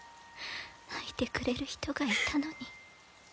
泣いてくれる人がいたのに。